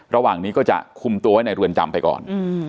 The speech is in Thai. ระหว่างนี้ก็จะคุมตัวไว้ในเรือนจำไปก่อน